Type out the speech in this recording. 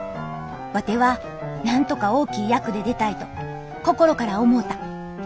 ワテはなんとか大きい役で出たいと心から思うた！